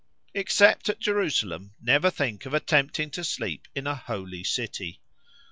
Except at Jerusalem, never think of attempting to sleep in a "holy city."